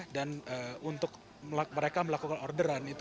dan untuk mereka melakukan orderan itu